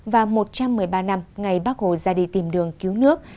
và một trăm một mươi ba năm ngày bác hồ ra đi tìm đường cứu nước